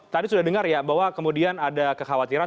tadi sudah dengar ya bahwa kemudian ada kekhawatiran